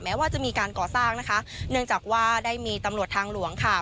ว่าจะมีการก่อสร้างนะคะเนื่องจากว่าได้มีตำรวจทางหลวงค่ะ